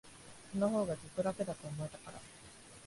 そのほうが、ずっと楽だと思えたから。